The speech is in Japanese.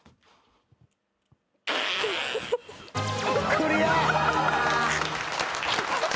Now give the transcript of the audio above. クリア。